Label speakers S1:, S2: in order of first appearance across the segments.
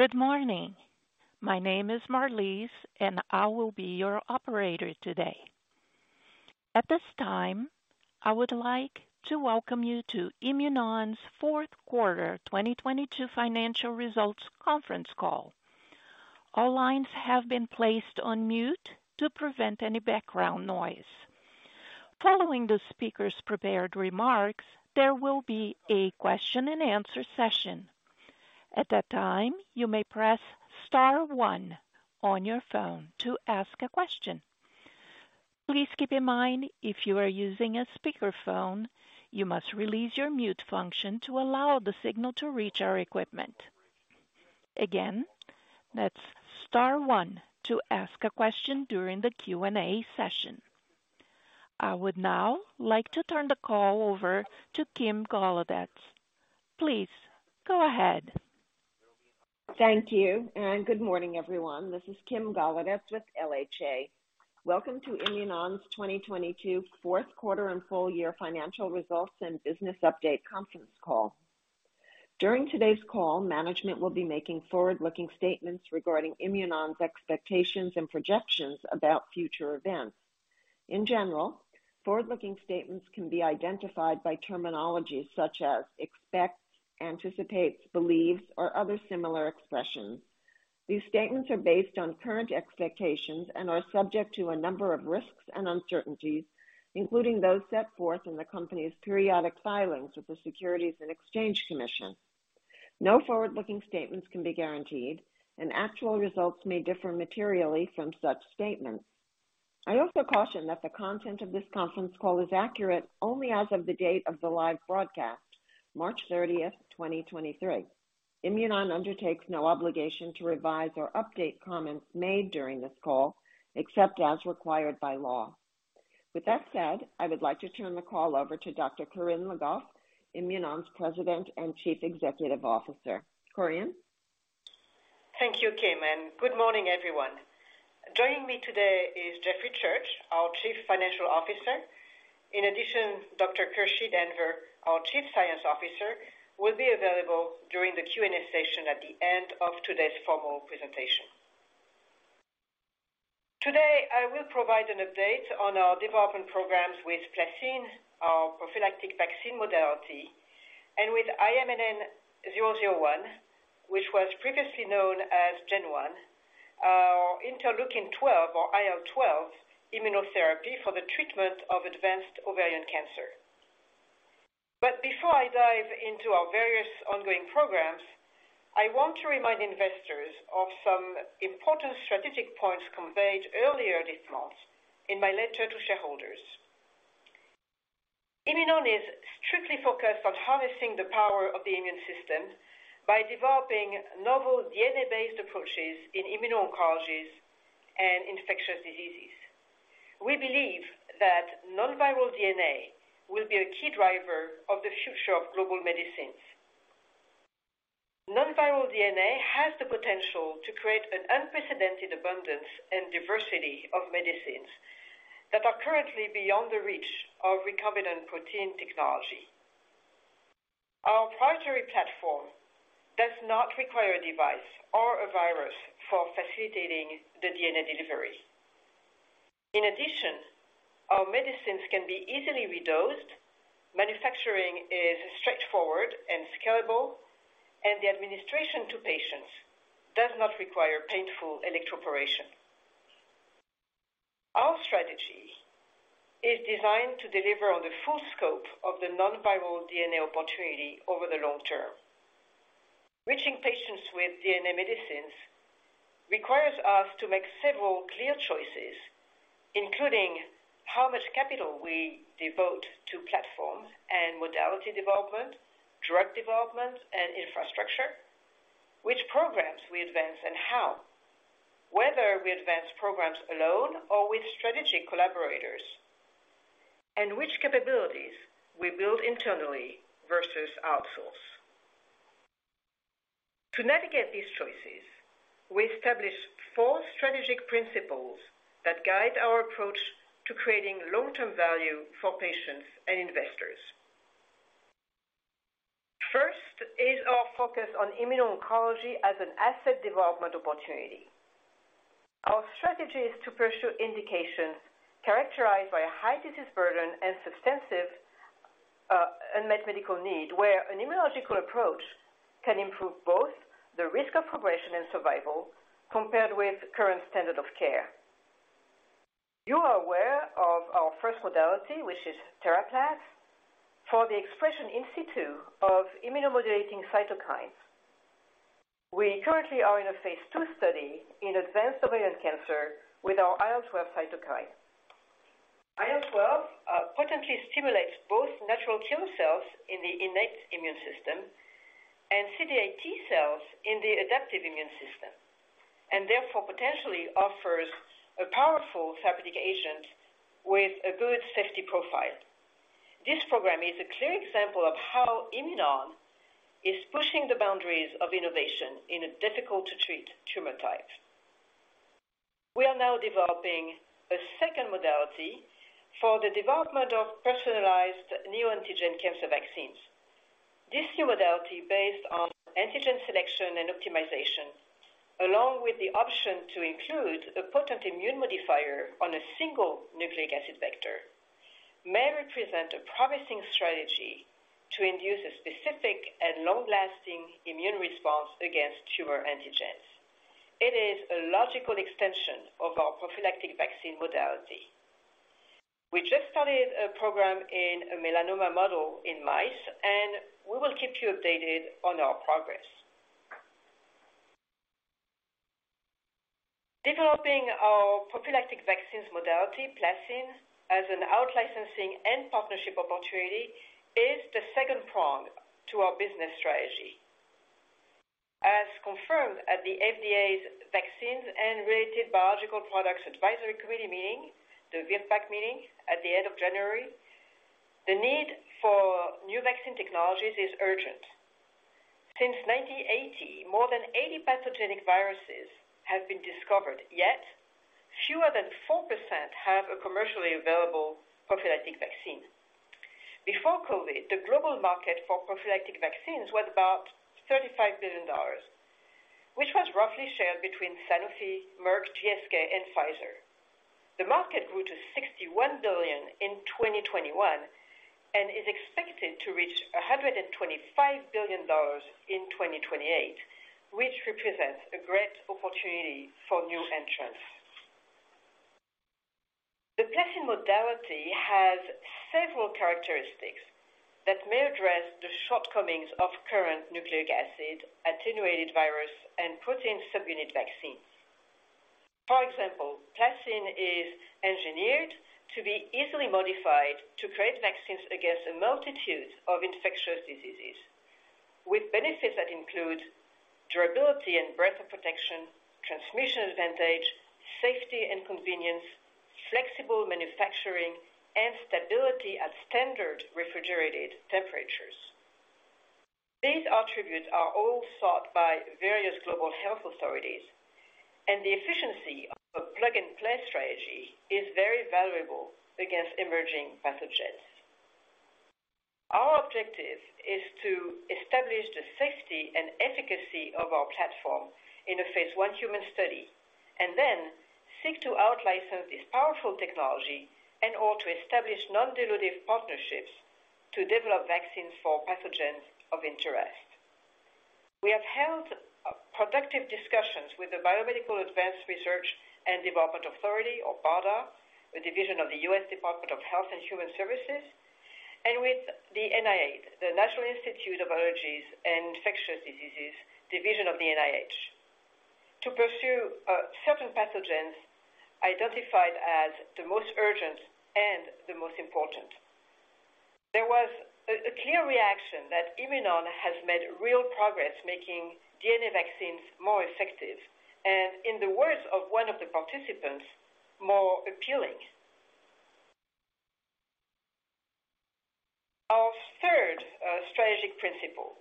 S1: Good morning. My name is Marlise. I will be your operator today. At this time, I would like to welcome you to Imunon's Fourth Quarter 2022 Financial Results Conference call. All lines have been placed on mute to prevent any background noise. Following the speaker's prepared remarks, there will be a question-and-answer session. At that time, you may press star one on your phone to ask a question. Please keep in mind if you are using a speakerphone, you must release your mute function to allow the signal to reach our equipment. Again, that's star one to ask a question during the Q&A session. I would now like to turn the call over to Kim Golodetz. Please go ahead.
S2: Thank you and good morning, everyone. This is Kim Golodetz with LHA. Welcome to Imunon's 2022 Fourth Quarter and Full Year financial results and business update conference call. During today's call, management will be making forward-looking statements regarding Imunon's expectations and projections about future events. In general, forward-looking statements can be identified by terminology such as expects, anticipates, believes, or other similar expressions. These statements are based on current expectations and are subject to a number of risks and uncertainties, including those set forth in the company's periodic filings with the Securities and Exchange Commission. No forward-looking statements can be guaranteed, and actual results may differ materially from such statements. I also caution that the content of this conference call is accurate only as of the date of the live broadcast, March 30, 2023. Imunon undertakes no obligation to revise or update comments made during this call, except as required by law. With that said, I would like to turn the call over to Dr. Corinne Le Goff, Imunon's President and Chief Executive Officer. Corinne.
S3: Thank you, Kim, and good morning, everyone. Joining me today is Jeffrey Church, our Chief Financial Officer. In addition, Dr. Khursheed Anwer, our Chief Science Officer, will be available during the Q&A session at the end of today's formal presentation. Today, I will provide an update on our development programs with PlaCCine, our prophylactic vaccine modality, and with IMNN-001, which was previously known as GEN-1, our Interleukin-12 or IL-12 immunotherapy for the treatment of advanced ovarian cancer. Before I dive into our various ongoing programs, I want to remind investors of some important strategic points conveyed earlier this month in my letter to shareholders. Imunon is strictly focused on harnessing the power of the immune system by developing novel DNA-based approaches in immuno-oncologies and infectious diseases. We believe that non-viral DNA will be a key driver of the future of global medicines. Non-viral DNA has the potential to create an unprecedented abundance and diversity of medicines that are currently beyond the reach of recombinant protein technology. Our proprietary platform does not require a device or a virus for facilitating the DNA delivery. Our medicines can be easily redosed, manufacturing is straightforward and scalable, and the administration to patients does not require painful electroporation. Our strategy is designed to deliver on the full scope of the non-viral DNA opportunity over the long term. Reaching patients with DNA medicines requires us to make several clear choices, including how much capital we devote to platforms and modality development, drug development and infrastructure. Which programs we advance and how, whether we advance programs alone or with strategic collaborators, and which capabilities we build internally versus outsource. To navigate these choices, we established four strategic principles that guide our approach to creating long-term value for patients and investors. First is our focus on immuno-oncology as an asset development opportunity. Our strategy is to pursue indications characterized by a high disease burden and substantive unmet medical need, where an immunological approach can improve both the risk of progression and survival compared with current standard of care. You are aware of our first modality, which is TheraPlas, for the expression in situ of immunomodulating cytokines. We currently are in a phase II study in advanced ovarian cancer with our IL-12 cytokine. IL-12 potently stimulates both natural killer cells in the innate immune system and CD8+ T cells in the adaptive immune system, and therefore potentially offers a powerful therapeutic agent with a good safety profile. This program is a clear example of how Imunon is pushing the boundaries of innOVATION in a difficult-to-treat tumor type. We are now developing a second modality for the development of personalized neoantigen cancer vaccines. This new modality based on antigen selection and optimization, along with the option to include a potent immune modifier on a single nucleic acid vector, may represent a promising strategy to induce a specific and long-lasting immune response against tumor antigens. It is a logical extension of our prophylactic vaccine modality. We just started a program in a melanoma model in mice, we will keep you updated on our progress. Developing our prophylactic vaccines modality, PlaCCine, as an out-licensing and partnership opportunity is the second prong to our business strategy. As confirmed at the FDA's Vaccines and Related Biological Products Advisory Committee meeting, the VRBPAC meeting at the end of January, the need for new vaccine technologies is urgent. Since 1980, more than 80 pathogenic viruses have been discovered, yet fewer than 4% have a commercially available prophylactic vaccine. Before COVID, the global market for prophylactic vaccines was about $35 billion, which was roughly shared between Sanofi, Merck, GSK and Pfizer. The market grew to $61 billion in 2021 and is expected to reach $125 billion in 2028, which represents a great opportunity for new entrants. The PlaCCine modality has several characteristics that may address the shortcomings of current nucleic acid, attenuated virus, and protein subunit vaccines. For example, PlaCCine is engineered to be easily modified to create vaccines against a multitude of infectious diseases, with benefits that include durability and breadth of protection, transmission advantage, safety and convenience, flexible manufacturing, and stability at standard refrigerated temperatures. These attributes are all sought by various global health authorities, and the efficiency of a plug and play strategy is very valuable against emerging pathogens. Our objective is to establish the safety and efficacy of our platform in a phase I human study, and then seek to out-license this powerful technology in order to establish non-dilutive partnerships to develop vaccines for pathogens of interest. We have held productive discussions with the Biomedical Advanced Research and Development Authority, or BARDA, a division of the U.S. Department of Health and Human Services, and with the NIAID, the National Institute of Allergy and Infectious Diseases, division of the NIH, to pursue certain pathogens identified as the most urgent and the most important. There was a clear reaction that Imunon has made real progress making DNA vaccines more effective, and in the words of one of the participants, more appealing. Our third strategic principle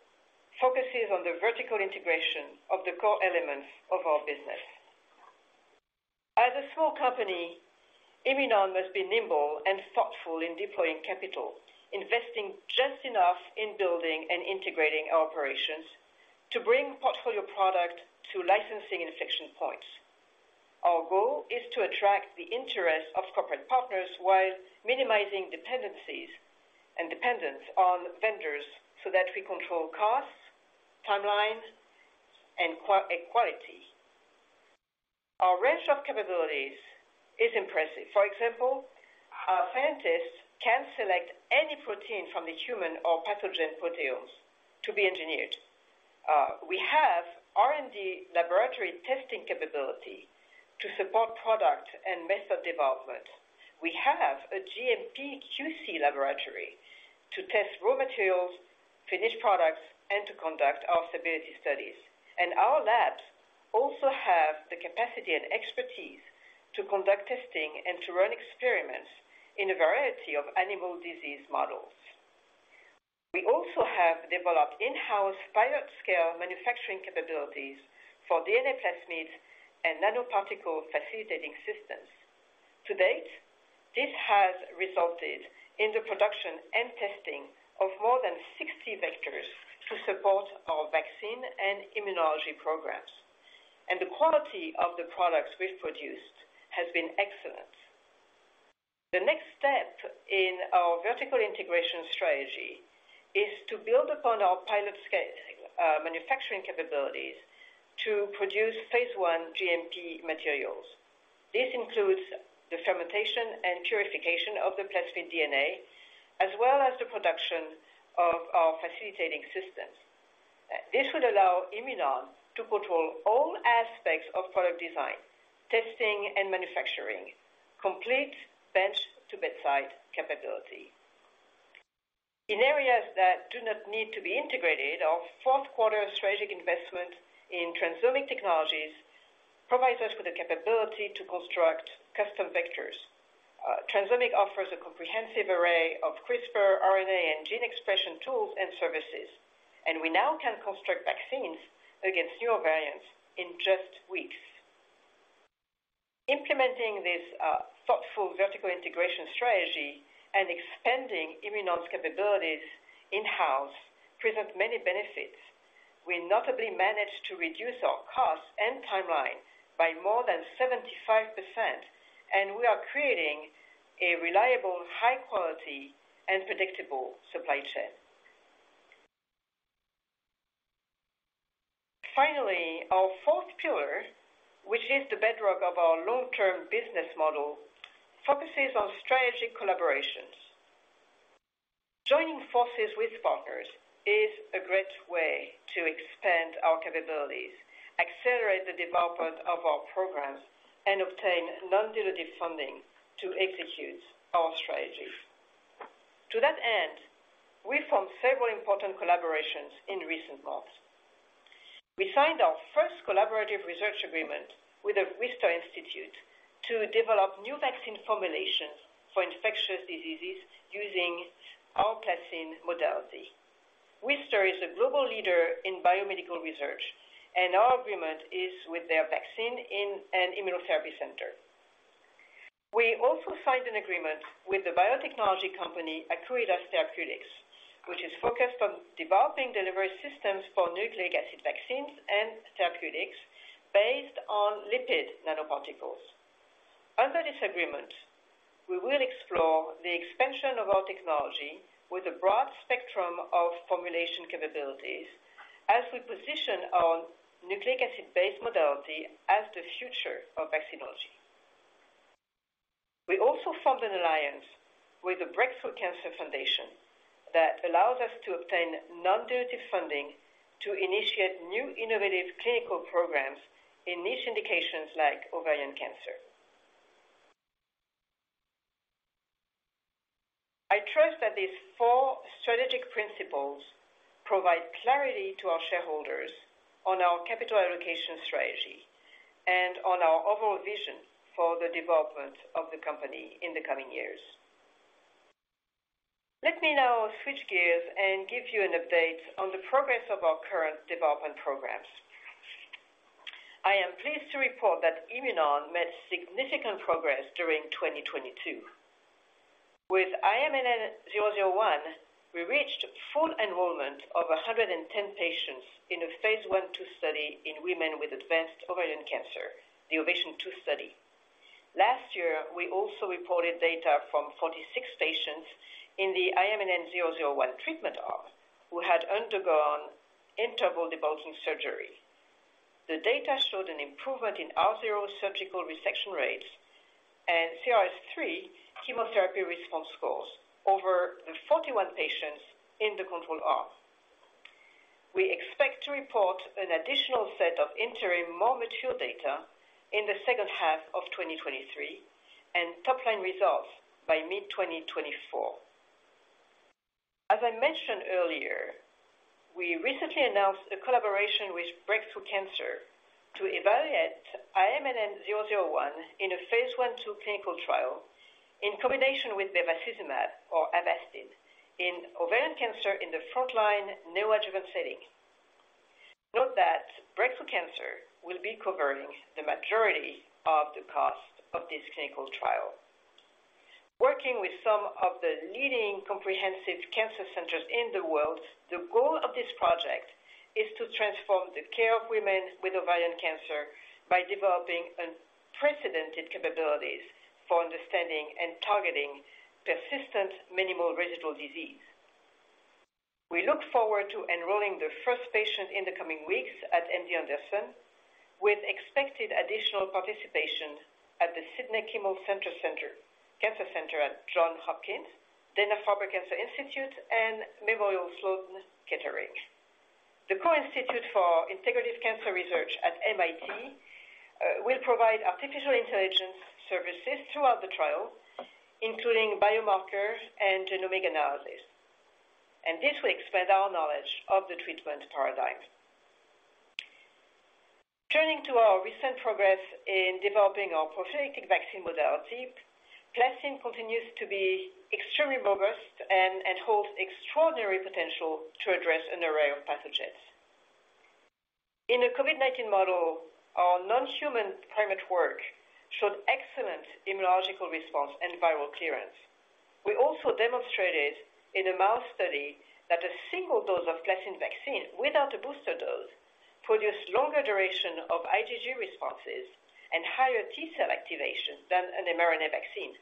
S3: focuses on the vertical integration of the core elements of our business. As a small company, Imunon must be nimble and thoughtful in deploying capital, investing just enough in building and integrating our operations to bring portfolio product to licensing inflection points. Our goal is to attract the interest of corporate partners while minimizing dependencies and dependence on vendors so that we control costs, timelines, and quality. Our range of capabilities is impressive. For example, our scientists can select any protein from the human or pathogen proteomes to be engineered. We have R&D laboratory testing capability to support product and method development. We have a GMP QC laboratory to test raw materials, finished products, and to conduct our stability studies. Our labs also have the capacity and expertise to conduct testing and to run experiments in a variety of animal disease models. We also have developed in-house pilot scale manufacturing capabilities for DNA plasmid and nanoparticle facilitating systems. To date, this has resulted in the production and testing of more than 60 vectors to support our vaccine and immunology programs. The quality of the products we've produced has been excellent. The next step in our vertical integration strategy is to build upon our pilot scale manufacturing capabilities to produce phase I GMP materials. This includes the fermentation and purification of the plasmid DNA, as well as the production of our facilitating systems. This would allow Imunon to control all aspects of product design, testing and manufacturing, complete bench to bedside capability. In areas that do not need to be integrated, our fourth quarter strategic investment in Transomic Technologies provides us with the capability to construct custom vectors. Transomic offers a comprehensive array of CRISPR, RNAi, and gene expression tools and services, and we now can construct vaccines against newer variants in just weeks. Implementing this thoughtful vertical integration strategy and expanding Imunon's capabilities in-house presents many benefits. We notably managed to reduce our costs and timeline by more than 75%, and we are creating a reliable, high quality, and predictable supply chain. Finally, our fourth pillar, which is the bedrock of our long-term business model, focuses on strategic collaborations. Joining forces with partners is a great way to expand our capabilities, accelerate the development of our programs, and obtain non-dilutive funding to execute our strategies. To that end, we formed several important collaborations in recent months. We signed our first collaborative research agreement with The Wistar Institute to develop new vaccine formulations for infectious diseases using our PlaCCine modality. Wistar is a global leader in biomedical research, and our agreement is with their vaccine in an immunotherapy center. We also signed an agreement with the biotechnology company, Arcturus Therapeutics, which is focused on developing delivery systems for nucleic acid vaccines and therapeutics based on lipid nanoparticles. Under this agreement, we will explore the expansion of our technology with a broad spectrum of formulation capabilities as we position our nucleic acid-based modality as the future of vaccinology. We also formed an alliance with the Break Through Cancer Foundation that allows us to obtain non-dilutive funding to initiate new innovative clinical programs in niche indications like ovarian cancer. I trust that these four strategic principles provide clarity to our shareholders on our capital allocation strategy and on our overall vision for the development of the company in the coming years. Let me now switch gears and give you an update on the progress of our current development programs. I am pleased to report that Imunon made significant progress during 2022. With IMNN-001, we reached full enrollment of 110 patients in a phase I/II study in women with advanced ovarian cancer, the OVATION 2 study. Last year, we also reported data from 46 patients in the IMNN-001 treatment arm who had undergone interval debulking surgery. The data showed an improvement in R0 surgical resection rates and CRS 3 chemotherapy response scores over the 41 patients in the control arm. We expect to report an additional set of interim, more mature data in the second half of 2023 and top-line results by mid-2024. As I mentioned earlier, we recently announced a collaboration with Break Through Cancer to evaluate IMNN-001 in a phase I/II clinical trial in combination with bevacizumab or Avastin in ovarian cancer in the frontline neoadjuvant setting. Note that Break Through Cancer will be covering the majority of the cost of this clinical trial. Working with some of the leading comprehensive cancer centers in the world, the goal of this project is to transform the care of women with ovarian cancer by developing unprecedented capabilities for understanding and targeting persistent minimal residual disease. We look forward to enrolling the first patient in the coming weeks at MD Anderson, with expected additional participation at the Sidney Kimmel Comprehensive Cancer Center at Johns Hopkins, Dana-Farber Cancer Institute, and Memorial Sloan Kettering. The Koch Institute for Integrative Cancer Research at MIT will provide artificial intelligence services throughout the trial, including biomarkers and genomic analysis. This will expand our knowledge of the treatment paradigm. Turning to our recent progress in developing our prophylactic vaccine modality, PlaCCine continues to be extremely robust and holds extraordinary potential to address an array of pathogens. In a COVID-19 model, our non-human primate work showed excellent immunological response and viral clearance. We also demonstrated in a mouse study that a single dose of PlaCCine vaccine without a booster dose produced longer duration of IgG responses and higher T-cell activation than an mRNA vaccine.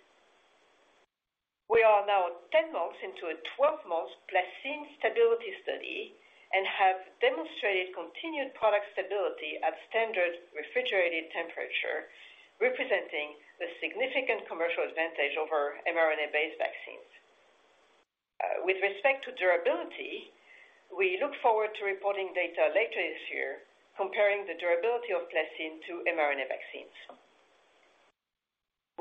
S3: We are now 10 months into a 12-month PlaCCine stability study and have demonstrated continued product stability at standard refrigerated temperature, representing a significant commercial advantage over mRNA-based vaccines. With respect to durability, we look forward to reporting data later this year comparing the durability of PlaCCine to mRNA vaccines.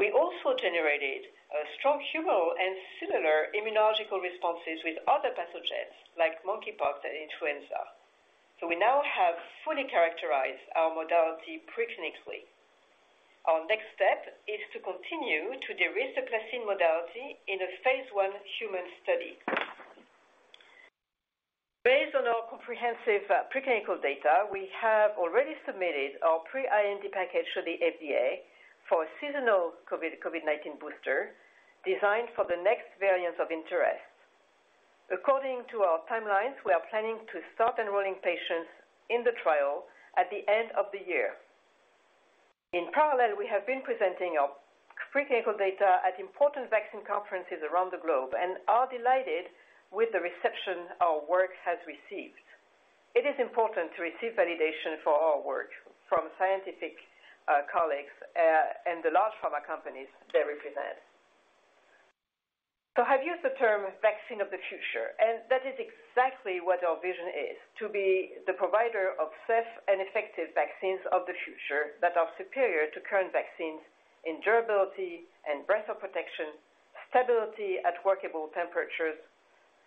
S3: We also generated a strong humoral and similar immunological responses with other pathogens like monkeypox and influenza. We now have fully characterized our modality preclinically. Our next step is to continue to de-risk the PlaCCine modality in a phase I human study. Based on our comprehensive preclinical data, we have already submitted our pre-IND package to the FDA for a seasonal COVID-19 booster designed for the next variants of interest. According to our timelines, we are planning to start enrolling patients in the trial at the end of the year. In parallel, we have been presenting our preclinical data at important vaccine conferences around the globe and are delighted with the reception our work has received. It is important to receive validation for our work from scientific colleagues and the large pharma companies they represent. I've used the term vaccine of the future, and that is exactly what our vision is, to be the provider of safe and effective vaccines of the future that are superior to current vaccines in durability and breadth of protection, stability at workable temperatures,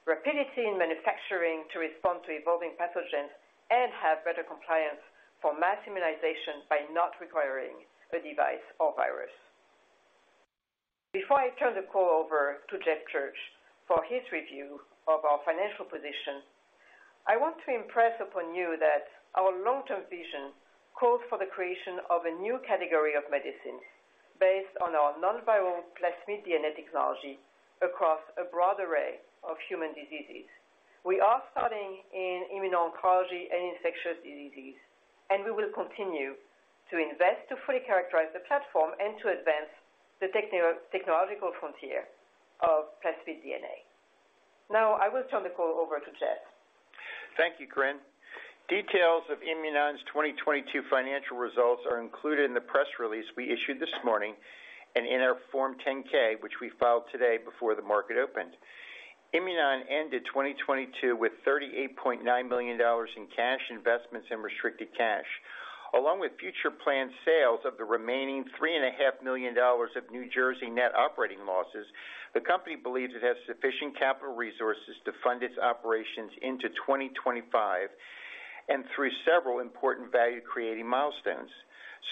S3: rapidity in manufacturing to respond to evolving pathogens, and have better compliance for mass immunization by not requiring a device or virus. Before I turn the call over to Jeff Church for his review of our financial position, I want to impress upon you that our long-term vision calls for the creation of a new category of medicine based on our non-viral plasmid DNA technology across a broad array of human diseases. We are starting in immuno-oncology and infectious diseases, and we will continue to invest to fully characterize the platform and to advance the technological frontier of plasmid DNA. Now, I will turn the call over to Jeff.
S4: Thank you, Corinne. Details of Imunon's 2022 financial results are included in the press release we issued this morning and in our Form 10-K, which we filed today before the market opened. Imunon ended 2022 with $38.9 million in cash investments in restricted cash. Along with future planned sales of the remaining $3.5 million dollars of New Jersey NOLs, the company believes it has sufficient capital resources to fund its operations into 2025 and through several important value-creating milestones.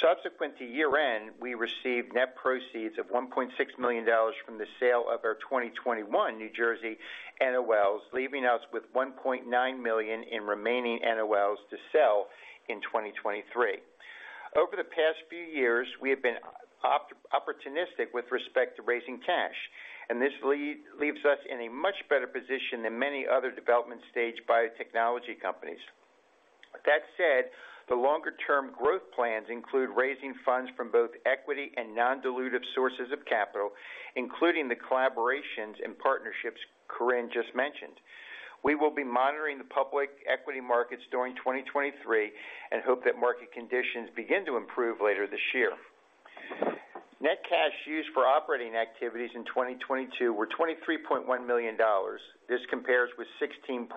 S4: Subsequent to year-end, we received net proceeds of $1.6 million from the sale of our 2021 New Jersey NOLs, leaving us with $1.9 million in remaining NOLs to sell in 2023. Over the past few years, we have been opportunistic with respect to raising cash, and this leaves us in a much better position than many other development stage biotechnology companies. That said, the longer-term growth plans include raising funds from both equity and non-dilutive sources of capital, including the collaborations and partnerships Corinne just mentioned. We will be monitoring the public equity markets during 2023 and hope that market conditions begin to improve later this year. Net cash used for operating activities in 2022 were $23.1 million. This compares with $16.2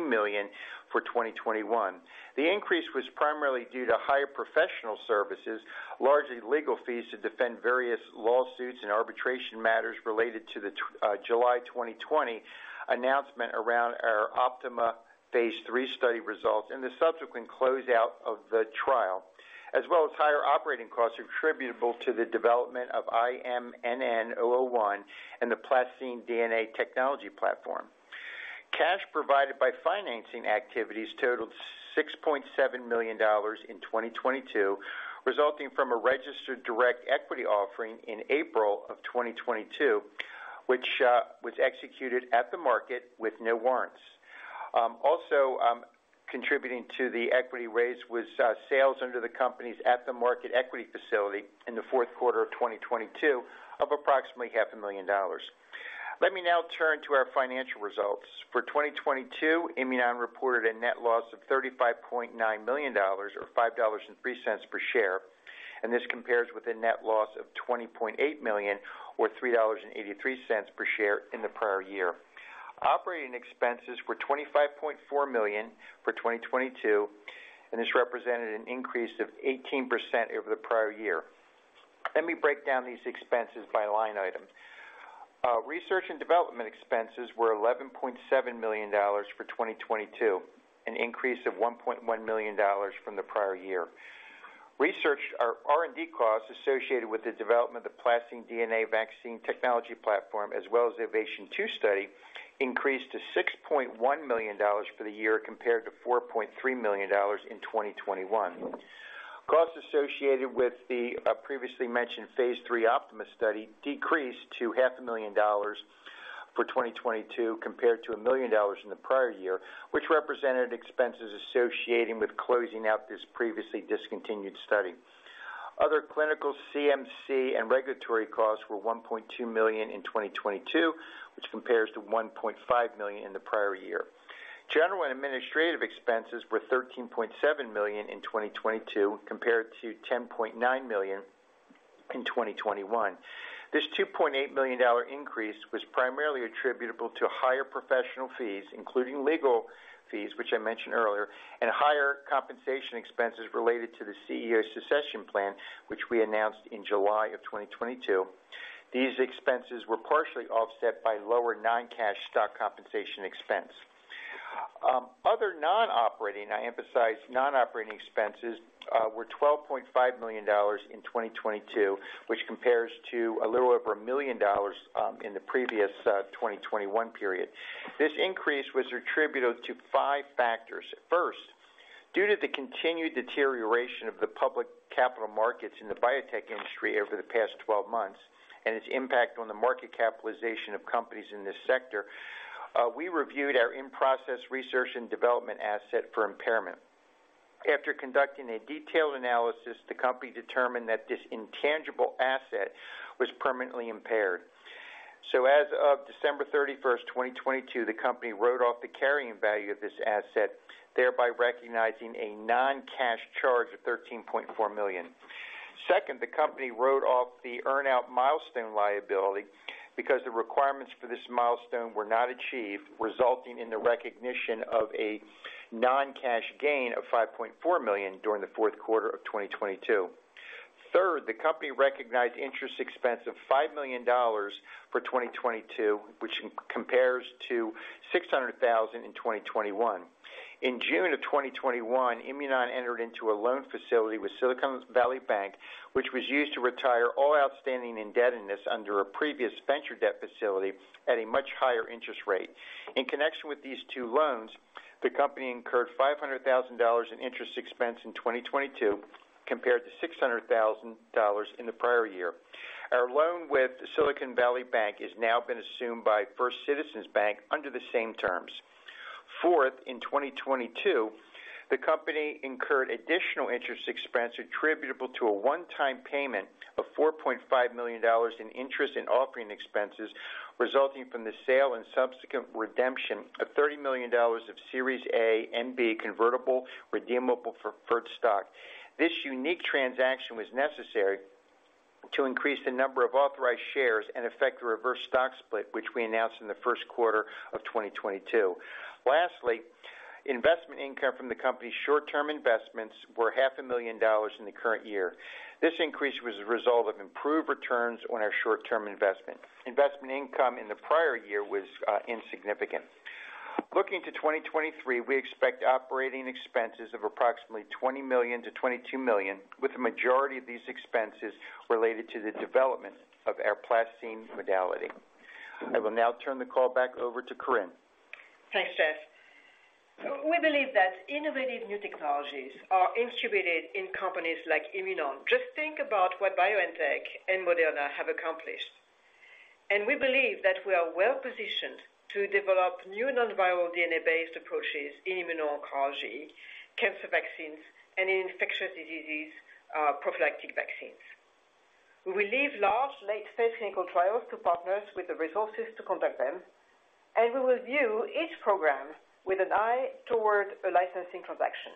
S4: million for 2021. The increase was primarily due to higher professional services, largely legal fees to defend various lawsuits and arbitration matters related to the July 2020 announcement around our OPTIMA phase III study results and the subsequent closeout of the trial, as well as higher operating costs attributable to the development of IMNN-001 and the PlaCCine DNA technology platform. Cash provided by financing activities totaled $6.7 million in 2022, resulting from a registered direct equity offering in April of 2022, which was executed at the market with no warrants. Also, contributing to the equity raise was sales under the company's at the market equity facility in the fourth quarter of 2022 of approximately half a million dollars. Let me now turn to our financial results. For 2022, Imunon reported a net loss of $35.9 million or $5.03 per share. This compares with a net loss of $20.8 million or $3.83 per share in the prior year. Operating expenses were $25.4 million for 2022. This represented an increase of 18% over the prior year. Let me break down these expenses by line item. Research and development expenses were $11.7 million for 2022, an increase of $1.1 million from the prior year. Research or R&D costs associated with the development of PlaCCine DNA vaccine technology platform, as well as the OVATION 2 study, increased to $6.1 million for the year, compared to $4.3 million in 2021. Costs associated with the previously mentioned phase III OPTIMA study decreased to half a million dollars for 2022, compared to $1 million in the prior year, which represented expenses associating with closing out this previously discontinued study. Other clinical CMC and regulatory costs were $1.2 million in 2022, which compares to $1.5 million in the prior year. General and administrative expenses were $13.7 million in 2022, compared to $10.9 million in 2021. This $2.8 million increase was primarily attributable to higher professional fees, including legal fees, which I mentioned earlier, and higher compensation expenses related to the CEO succession plan, which we announced in July 2022. These expenses were partially offset by lower non-cash stock compensation expense. Other non-operating, I emphasize non-operating expenses, were $12.5 million in 2022, which compares to a little over $1 million in the previous 2021 period. This increase was attributable to five factors. First, due to the continued deterioration of the public capital markets in the biotech industry over the past 12 months and its impact on the market capitalization of companies in this sector, we reviewed our in-process research and development asset for impairment. After conducting a detailed analysis, the company determined that this intangible asset was permanently impaired. As of December 31, 2022, the company wrote off the carrying value of this asset, thereby recognizing a non-cash charge of $13.4 million. Second, the company wrote off the earn-out milestone liability because the requirements for this milestone were not achieved, resulting in the recognition of a non-cash gain of $5.4 million during the fourth quarter of 2022. Third, the company recognized interest expense of $5 million for 2022, which compares to $600,000 in 2021. In June of 2021, Imunon entered into a loan facility with Silicon Valley Bank, which was used to retire all outstanding indebtedness under a previous venture debt facility at a much higher interest rate. In connection with these two loans, the company incurred $500,000 in interest expense in 2022, compared to $600,000 in the prior year. Our loan with Silicon Valley Bank has now been assumed by First Citizens Bank under the same terms. Fourth, in 2022, the company incurred additional interest expense attributable to a one-time payment of $4.5 million in interest and offering expenses resulting from the sale and subsequent redemption of $30 million of Series A and B convertible redeemable preferred stock. This unique transaction was necessary to increase the number of authorized shares and affect the reverse stock split, which we announced in the first quarter of 2022. Lastly, investment income from the company's short-term investments were $500,000 in the current year. This increase was a result of improved returns on our short-term investment. Investment income in the prior year was insignificant. Looking to 2023, we expect operating expenses of approximately $20 million-$22 million, with the majority of these expenses related to the development of our PlaCCine modality. I will now turn the call back over to Corinne.
S3: Thanks, Jeff. We believe that innovative new technologies are incubated in companies like Imunon. Just think about what BioNTech and Moderna have accomplished. We believe that we are well positioned to develop new non-viral DNA-based approaches in immuno-oncology, cancer vaccines, and in infectious diseases, prophylactic vaccines. We will leave large late-stage clinical trials to partners with the resources to conduct them, and we will view each program with an eye toward a licensing transaction.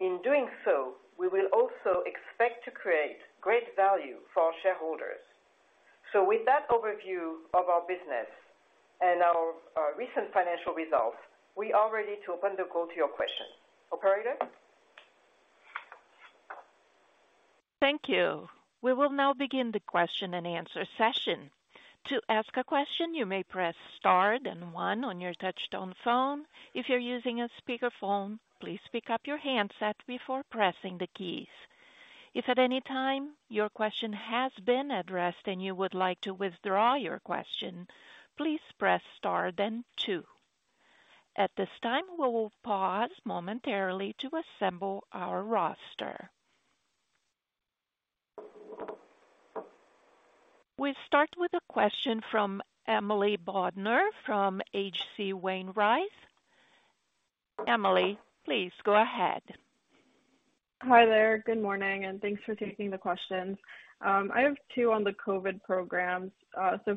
S3: In doing so, we will also expect to create great value for our shareholders. With that overview of our business and our recent financial results, we are ready to open the call to your questions. Operator?
S1: Thank you. We will now begin the question-and-answer session. To ask a question, you may press star then one on your touchtone phone. If you're using a speakerphone, please pick up your handset before pressing the keys. If at any time your question has been addressed and you would like to withdraw your question, please press star then two. At this time, we will pause momentarily to assemble our roster. We start with a question from Emily Bodnar from H.C. Wainwright. Emily, please go ahead.
S5: Hi there. Good morning. Thanks for taking the questions. I have two on the COVID programs.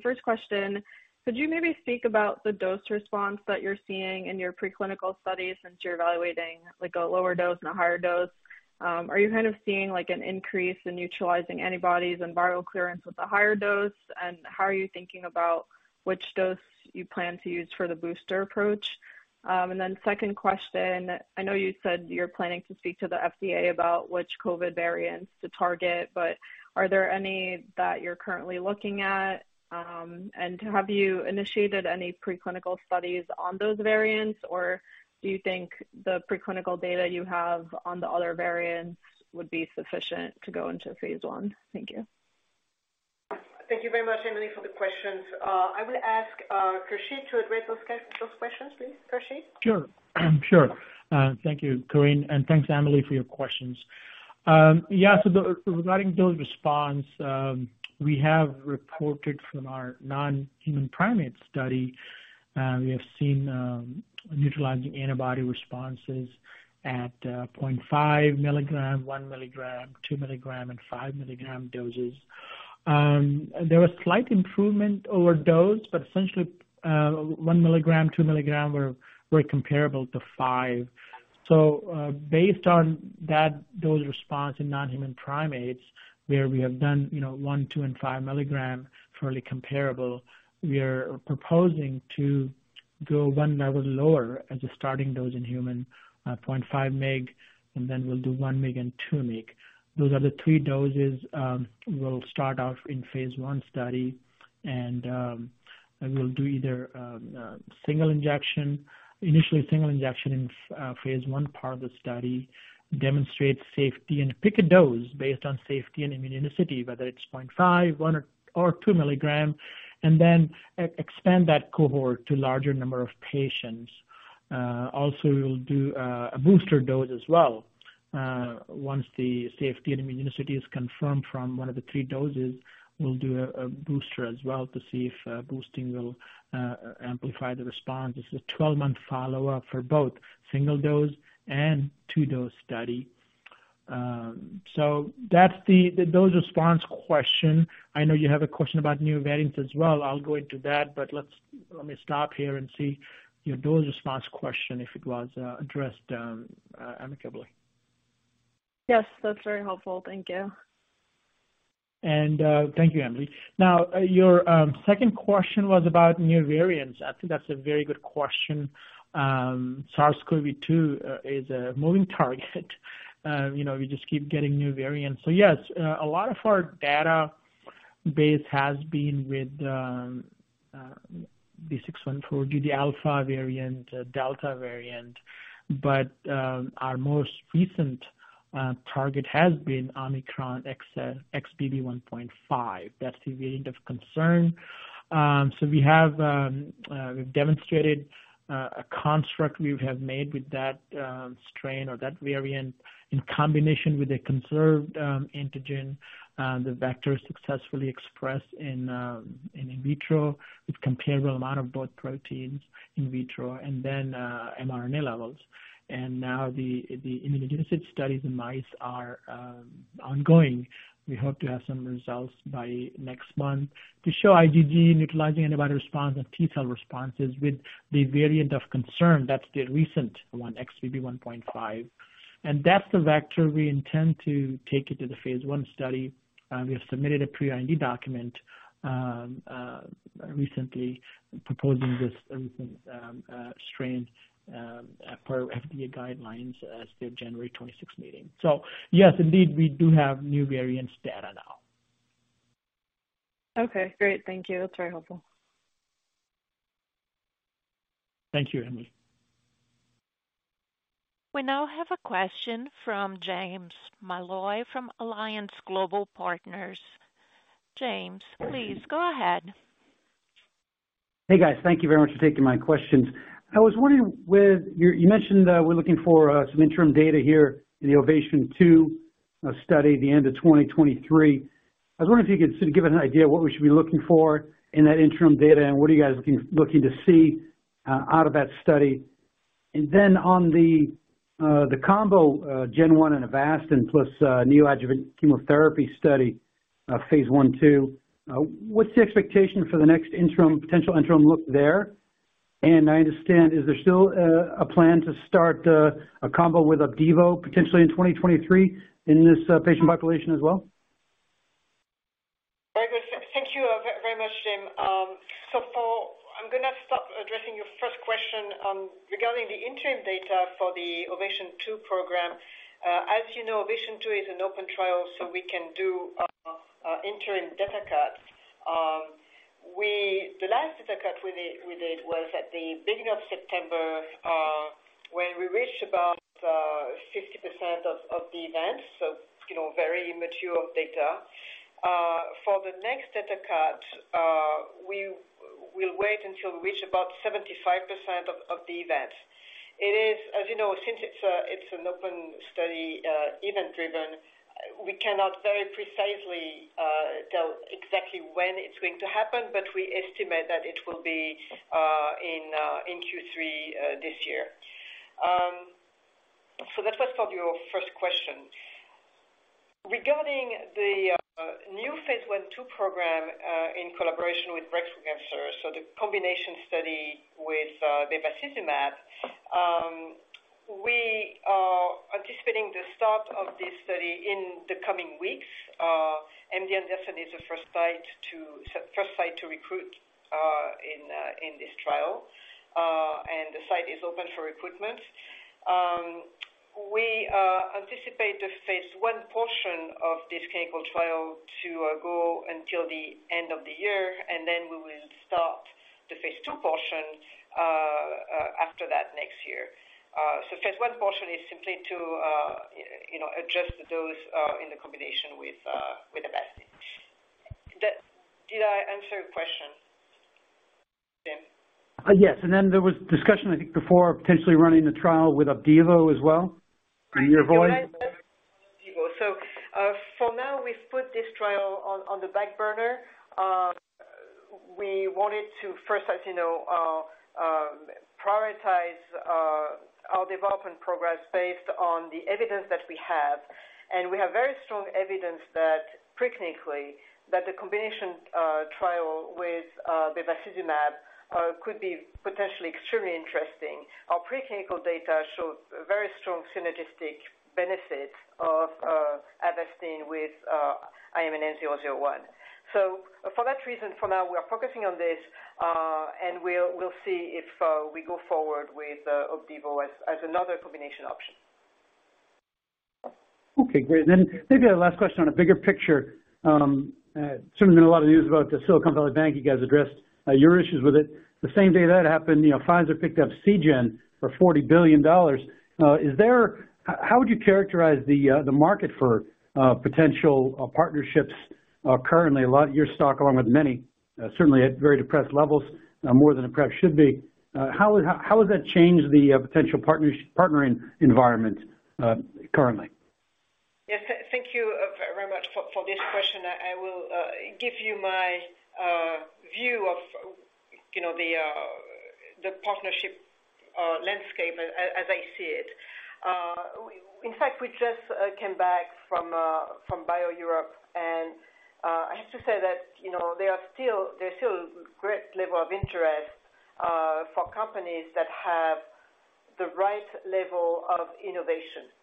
S5: First question, could you maybe speak about the dose response that you're seeing in your preclinical studies since you're evaluating, like, a lower dose and a higher dose? Are you kind of seeing, like, an increase in neutralizing antibodies and viral clearance with a higher dose? How are you thinking about which dose you plan to use for the booster approach? Second question, I know you said you're planning to speak to the FDA about which COVID variants to target, but are there any that you're currently looking at? Have you initiated any preclinical studies on those variants, or do you think the preclinical data you have on the other variants would be sufficient to go into phase I? Thank you.
S3: Thank you very much, Emily, for the questions. I will ask Khursheed to address those questions, please. Khursheed?
S6: Sure. Thank you, Corinne, and thanks Emily for your questions. Yeah, regarding dose response, we have reported from our non-human primate study, we have seen neutralizing antibody responses at 0.5 mg, 1 mg, 2 mg, and 5 mg doses. There was slight improvement over dose, but essentially, 1 mg, 2 mg were comparable to 5 mg. Based on that dose response in non-human primates, where we have done, you know, 1, 2, and 5 mg fairly comparable, we are proposing to Go one level lower as a starting dose in human, 0.5 mg, and then we'll do 1 mg and 2 mg. Those are the 3 doses we'll start off in phase I study. We'll do either single injection. Initially single injection in phase I part of the study, demonstrate safety and pick a dose based on safety and immunogenicity, whether it's 0.5, 1 or 2 mg, and then expand that cohort to larger number of patients. Also we will do a booster dose as well. Once the safety and immunogenicity is confirmed from one of the three doses, we'll do a booster as well to see if boosting will amplify the response. It's a 12-month follow-up for both single dose and two dose study. That's the dose response question. I know you have a question about new variants as well. I'll go into that, but let me stop here and see your dose response question, if it was addressed amicably.
S5: Yes, that's very helpful. Thank you.
S6: Thank you, Emily. Now, your second question was about new variants. I think that's a very good question. SARS-CoV-2 is a moving target. you know, we just keep getting new variants. Yes, a lot of our data base has been with B.1.617.2, the Alpha variant, Delta variant, but our most recent target has been Omicron XBB.1.5, XBB.1.5. That's the variant of concern. We have demonstrated a construct we have made with that strain or that variant in combination with a conserved antigen. The vector successfully expressed in in vitro with comparable amount of both proteins in vitro, and then mRNA levels. Now the immunogenicity studies in mice are ongoing. We hope to have some results by next month to show IgG neutralizing antibody response and T-cell responses with the variant of concern. That's the recent one, XBB.1.5. That's the vector we intend to take it to the phase I study. We have submitted a pre-IND document recently proposing this strain as per FDA guidelines as of January 26th meeting. Yes, indeed, we do have new variants data now.
S5: Okay, great. Thank you. That's very helpful.
S6: Thank you, Emily.
S1: We now have a question from James Molloy from Alliance Global Partners. James, please go ahead.
S7: Hey, guys. Thank you very much for taking my questions. I was wondering, you mentioned, we're looking for some interim data here in the OVATION 2 study at the end of 2023. I was wondering if you could sort of give an idea what we should be looking for in that interim data and what are you guys looking to see out of that study. On the combo GEN-1 and Avastin plus neoadjuvant chemotherapy study, phase I/II, what's the expectation for the next potential interim look there? I understand, is there still a plan to start a combo with Opdivo potentially in 2023 in this patient population as well?
S3: Very good. Thank you very much, James. I'm gonna start addressing your first question regarding the interim data for the OVATION 2 program. As you know, OVATION 2 is an open trial, so we can do interim data cuts. The last data cut we did was at the beginning of September, when we reached about 60% of the events, so, you know, very mature data. For the next data cut, we will wait until we reach about 75% of the events. It is, as you know, since it's an open study, event driven, we cannot very precisely tell exactly when it's going to happen, but we estimate that it will be in Q3 this year. That's what's for your first question. Regarding the new phase one two program, in collaboration with Break Through Cancer, the combination study with bevacizumab, we are anticipating the start of this study in the coming weeks. MD Anderson is the first site to recruit in this trial, and the site is open for recruitment. We anticipate the phase I portion of this clinical trial to go until the end of the year, then we will start the phase II portion after that next year. The phase I portion is simply to, you know, adjust the dose in the combination with Avastin. Did I answer your question, James?
S7: Yes. Then there was discussion, I think, before potentially running the trial with Opdivo as well, in your voice.
S3: You're right. Opdivo. For now, we've put this trial on the back burner. We wanted to first, as you know, prioritize our development progress based on the evidence that we have. We have very strong evidence that pre-clinically, that the combination trial with bevacizumab could be potentially extremely interesting. Our pre-clinical data shows very strong synergistic benefit of Avastin with IMNN-001. For that reason, for now, we are focusing on this, and we'll see if we go forward with Opdivo as another combination option.
S7: Okay, great. Maybe a last question on a bigger picture. Certainly been a lot of news about the Silicon Valley Bank. You guys addressed your issues with it. The same day that happened, you know, Pfizer picked up Seagen for $40 billion. How would you characterize the market for potential partnerships currently? A lot of your stock, along with many, certainly at very depressed levels, more than it perhaps should be. How does that change the potential partnering environment currently?
S3: Yes, thank you very much for this question. I will give you my view of, you know, the partnership landscape as I see it. In fact, we just came back from BIO-Europe. I have to say that, you know, there's still great level of interest for companies that have the right level of innOVATION.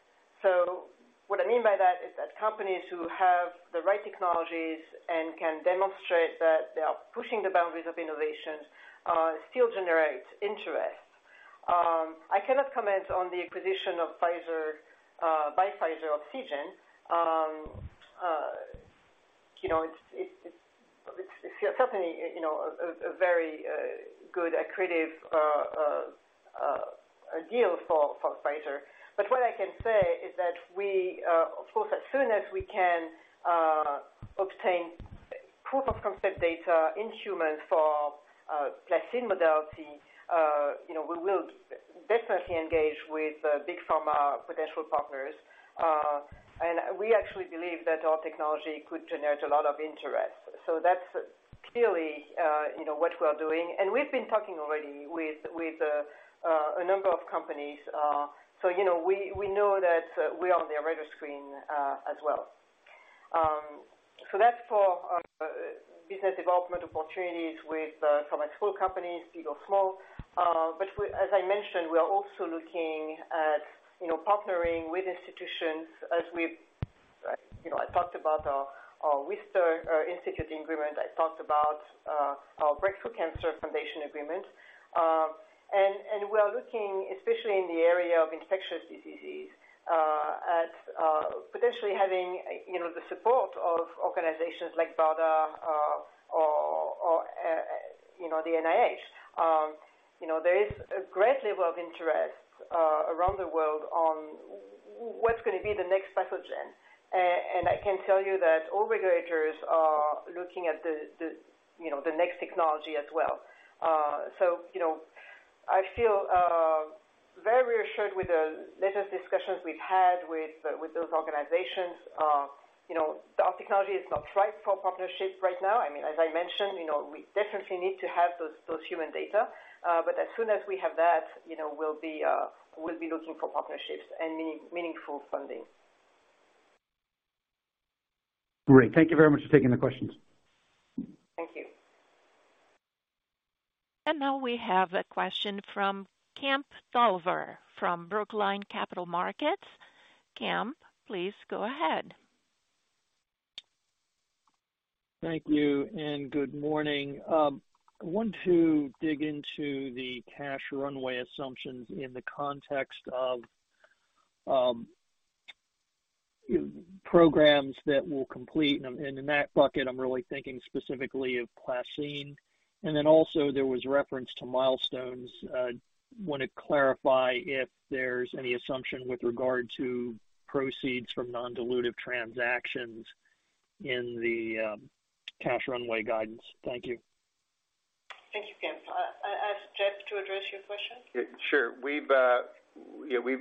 S3: What I mean by that is that companies who have the right technologies and can demonstrate that they are pushing the boundaries of innOVATION still generates interest. I cannot comment on the acquisition of Pfizer by Pfizer of Seagen. You know, it's certainly, you know, a very good accretive deal for Pfizer. What I can say is that we, of course, as soon as we can, obtain proof of concept data in humans for PlaCCine modality, you know, we will definitely engage with big pharma potential partners. We actually believe that our technology could generate a lot of interest. That's clearly, you know, what we are doing. We've been talking already with a number of companies. You know, we know that we're on their radar screen as well. That's for business development opportunities with pharmaceutical four companies, big or small. As I mentioned, we are also looking at, you know, partnering with institutions as we've, you know, I talked about our Wistar Institute agreement. I talked about our Break Through Cancer Foundation agreement. We are looking especially in the area of infectious diseases, at, potentially having, you know, the support of organizations like BARDA, or, you know, the NIH. You know, there is a great level of interest around the world on what's gonna be the next pathogen. I can tell you that all regulators are looking at the, you know, the next technology as well. I feel, you know, very reassured with the latest discussions we've had with those organizations. You know, our technology is not right for partnerships right now. I mean, as I mentioned, you know, we definitely need to have those human data. As soon as we have that, you know, we'll be looking for partnerships and meaningful funding.
S7: Great. Thank you very much for taking the questions.
S3: Thank you.
S1: Now we have a question from Kemp Dolliver from Brookline Capital Markets. Kemp, please go ahead.
S8: Thank you and good morning. I want to dig into the cash runway assumptions in the context of programs that will complete. In that bucket, I'm really thinking specifically of PlaCCine. Then also there was reference to milestones. Wanna clarify if there's any assumption with regard to proceeds from non-dilutive transactions in the cash runway guidance. Thank you.
S3: Thank you, Kemp. I'll ask Jeff to address your question.
S4: Sure. We've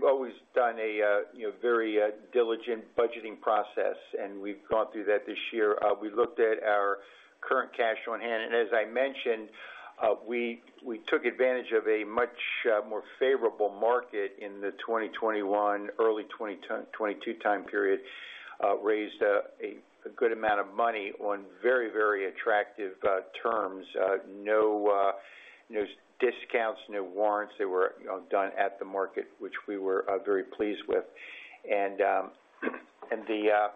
S4: always done a, you know, very diligent budgeting process, and we've gone through that this year. We looked at our current cash on hand, and as I mentioned, we took advantage of a much, more favorable market in the 2021, early 2022 time period. Raised a good amount of money on very attractive, terms. No discounts, no warrants. They were, you know, done at the market, which we were very pleased with. And the.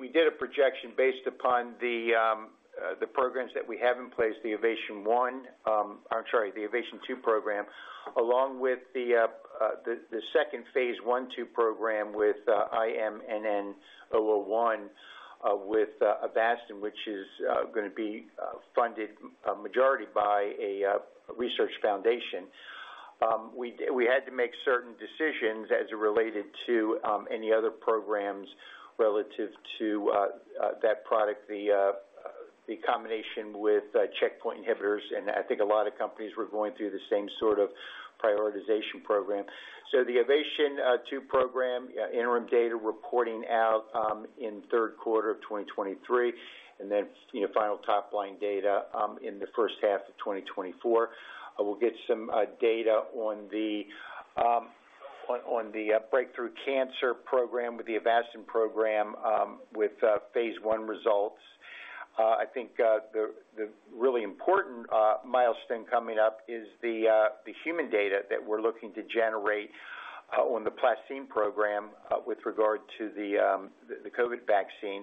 S4: We did a projection based upon the programs that we have in place, the OVATION 1, I'm sorry, the OVATION 2 program, along with the second phase I/II program with IMNN-001, with Avastin, which is gonna be funded a majority by a research foundation. We had to make certain decisions as it related to any other programs relative to that product, the combination with checkpoint inhibitors. I think a lot of companies were going through the same sort of prioritization program. The OVATION 2 program, interim data reporting out in third quarter of 2023. You know, final top line data in the first half of 2024. We'll get some data on the Break Through Cancer program with the Avastin program with phase I results. I think the really important milestone coming up is the human data that we're looking to generate on the PlaCCine program with regard to the COVID vaccine.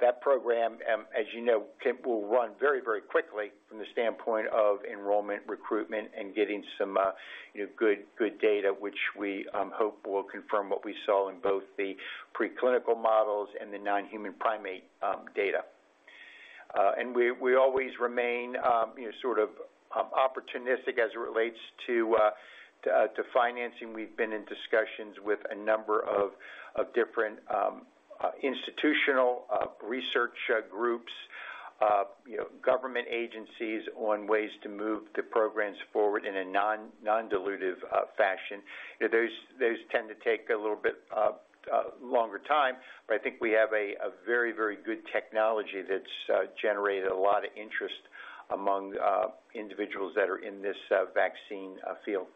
S4: That program, as you know, will run very, very quickly from the standpoint of enrollment, recruitment and getting some, you know, good data which we hope will confirm what we saw in both the preclinical models and the non-human primate data. We always remain, you know, sort of opportunistic as it relates to financing. We've been in discussions with a number of different institutional research groups, you know, government agencies on ways to move the programs forward in a non-dilutive fashion. You know, those tend to take a little bit longer time, but I think we have a very, very good technology that's generated a lot of interest among individuals that are in this vaccine field.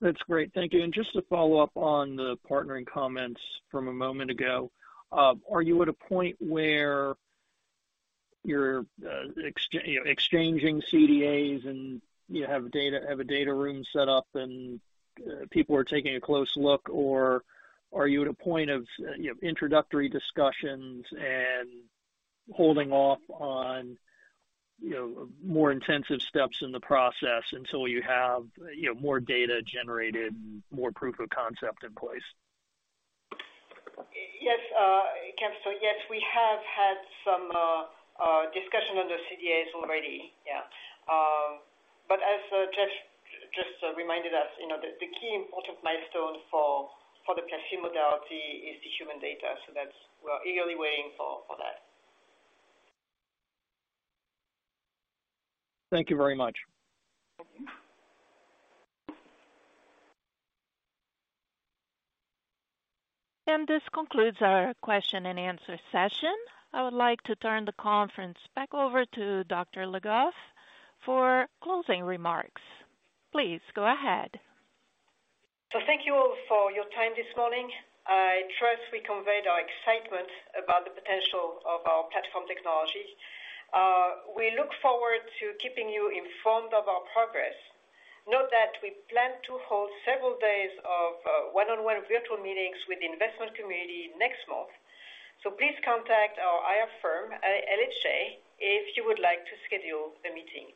S8: That's great. Thank you. Just to follow up on the partnering comments from a moment ago, are you at a point where you're, you know, exchanging CDAs and you have data, have a data room set up and, people are taking a close look? Or are you at a point of, you know, introductory discussions and holding off on, you know, more intensive steps in the process until you have, you know, more data generated and more proof of concept in place?
S3: Yes, Kemp. Yes, we have had some discussion on the CDAs already. Yeah. As Jeff just reminded us, you know, the key important milestone for the PlaCCine modality is the human data. That's we're eagerly waiting for that.
S8: Thank you very much.
S3: Welcome.
S1: This concludes our question-and-answer session. I would like to turn the conference back over to Dr. Le Goff for closing remarks. Please go ahead.
S3: Thank you all for your time this morning. I trust we conveyed our excitement about the potential of our platform technology. We look forward to keeping you informed of our progress. Note that we plan to hold several days of one-on-one virtual meetings with the investment community next month. Please contact our IR firm, LHA, if you would like to schedule a meeting.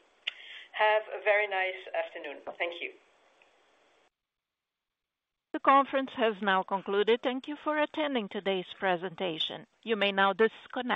S3: Have a very nice afternoon. Thank you.
S1: The conference has now concluded. Thank you for attending today's presentation. You may now disconnect.